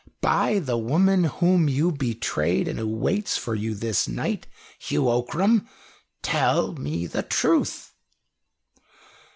"By the woman whom you betrayed, and who waits for you this night, Hugh Ockram, tell me the truth!"